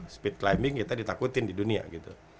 speed climbing kita ditakutin di dunia gitu